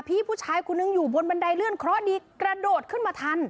พี่ผู้ชายคนนึงอยู่บนบันไดเลื่อนเคราะห์ดีกระโดดขึ้นมาทัน